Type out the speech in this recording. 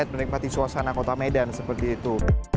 menikmati suasana kota medan seperti itu